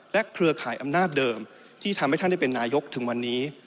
เครือข่ายอำนาจเดิมที่ทำให้ท่านได้เป็นนายกถึงวันนี้